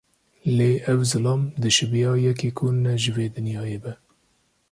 Lê ev zilam, dişibiya yekî ku ne ji vê dinyayê be.